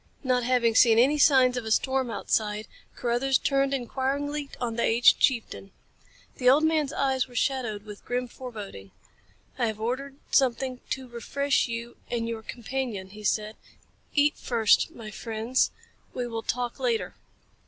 Not having seen any signs of a storm outside Carruthers turned inquiringly on the aged chieftain. The old man's eyes were shadowed with grim foreboding. "I have ordered something to refresh you and your companion," he said. "Eat first, my friends. We will talk later."